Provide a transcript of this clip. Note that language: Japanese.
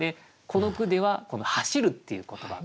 この句ではこの「走る」っていう言葉。